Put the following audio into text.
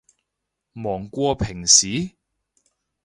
忙過平時？